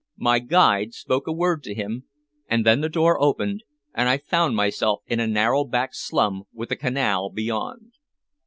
My guide spoke a word to him, and then the door opened and I found myself in a narrow back slum with the canal beyond.